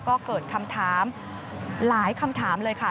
ก็เกิดคำถามหลายคำถามเลยค่ะ